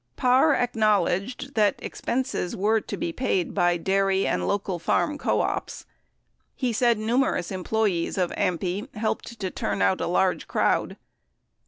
..." 58 Parr acknowledged that expenses were to be paid bv dairy and local farm co ops. He said numerous employees of AMPI helped to turn out a large crowd.